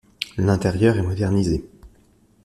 L'intérieur est modernisé.